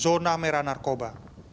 zona merah narkoba